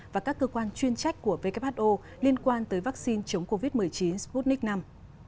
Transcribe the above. và các cơ quan chuyên trách của who liên quan tới vaccine chống covid một mươi chín sputnik v